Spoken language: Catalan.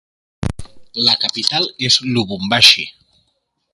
La capital és Lubumbashi.